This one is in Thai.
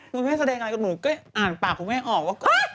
หนูไม่ได้แสดงอะไรก็หนูก็อ่านปากของแม่ออกว่า